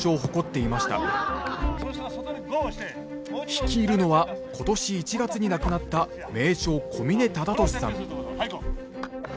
率いるのは今年１月に亡くなった名将小嶺忠敏さん。